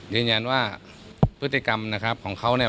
ยืนยันว่าพฤติกรรมนะครับของเขาเนี่ย